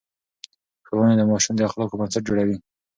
ښوونې د ماشوم د اخلاقو بنسټ جوړوي.